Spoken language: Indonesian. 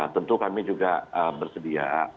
tentu kami juga bersedia